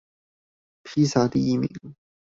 披薩第一名